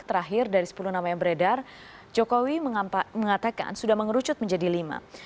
terakhir dari sepuluh nama yang beredar jokowi mengatakan sudah mengerucut menjadi lima